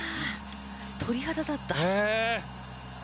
鳥肌立った。